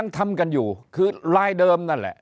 ทำกันอยู่คือลายเดิมนั่นแหละ